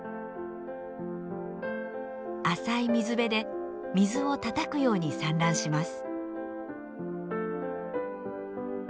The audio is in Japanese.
浅い水辺で水をたたくように産卵します。